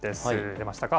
出ましたか。